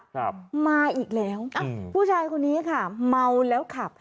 ครับมาอีกแล้วอ้าวผู้ชายคนนี้ค่ะเมาแล้วขับ